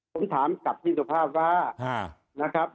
ผมถามกับพี่สุภาพว่า